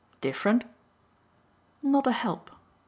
"Different?" "Not a help.